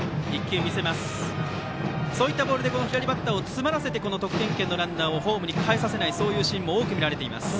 そういったボールでバッターを詰まらせて得点圏のランナーをホームにかえさせないというそういうシーンも多く見られます。